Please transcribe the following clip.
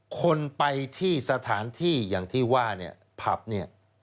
คนไปที่สถานที่อย่างที่ว่าเนี่ยผับเนี่ย